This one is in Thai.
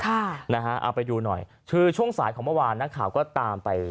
ค่ะนะฮะเอาไปดูหน่อยคือช่วงสายของเมื่อวานนักข่าวก็ตามไป